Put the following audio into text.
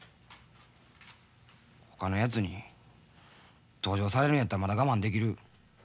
ほかのやつに同情されるんやったらまだ我慢できる。